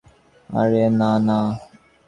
আরে না না।